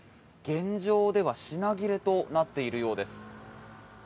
現状では品切れとなっているようです。